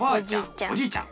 おじいちゃん。